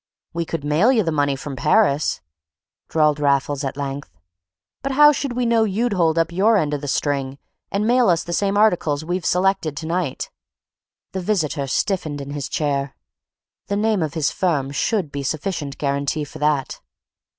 "We could mail you the money from Parrus," drawled Raffles at length. "But how should we know you'd hold up your end of the string, and mail us the same articles we've selected to night?" The visitor stiffened in his chair. The name of his firm should be sufficient guarantee for that.